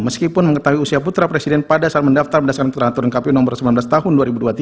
meskipun mengetahui usia putra presiden pada saat mendaftar berdasarkan peraturan kpu nomor sembilan belas tahun dua ribu dua puluh tiga